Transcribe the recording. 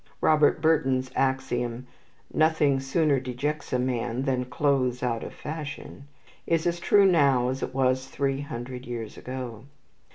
Robert Burton's axiom, "Nothing sooner dejects a man than clothes out of fashion," is as true now as it was three hundred years ago.